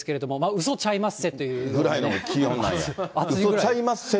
うそちゃいまっせって言うぐらいの気温なんやね。